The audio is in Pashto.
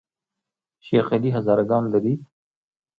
شیخ علي هزاره ګان لري؟